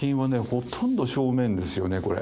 ほとんど正面ですよねこれ。